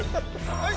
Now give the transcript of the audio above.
はい！